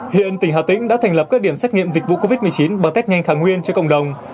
hiện tỉnh hà tĩnh đã thành lập các điểm xét nghiệm dịch vụ covid một mươi chín bằng test nhanh kháng nguyên cho cộng đồng